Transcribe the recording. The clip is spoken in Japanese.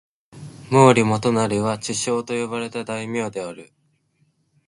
毛利元就は智将と呼ばれた大名である。